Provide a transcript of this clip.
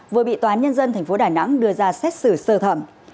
vừa bị toán nhân dân thành phố đài nẵng đưa ra xét xử sơ thẩm